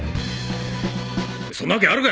そんなわけあるか！